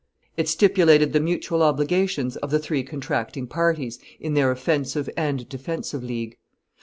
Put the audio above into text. It stipulated the mutual obligations of the three contracting parties in their offensive and defensive league.